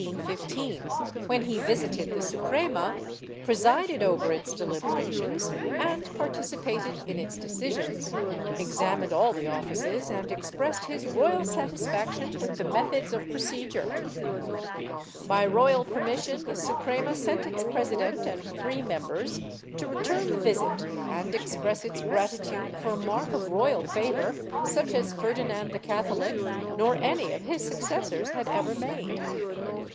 Chap. I] FERNANDO' S FAVOR 431 of an inquisitor, February 3, 1815, when he visited the Suprema, presided over its deliberations and participated in its decisions, examined all the offices and expressed his royal satisfaction with the methods of procedure. By royal permission the Suprema sent its president and three members to return the visit and express its gratitude for a mark of royal favor such as Ferdinand the Catho lic nor any of his successors had ever made.